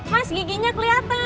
mas giginya kelihatan